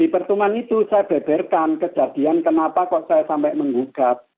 di pertemuan itu saya beberkan kejadian kenapa kok saya sampai menggugat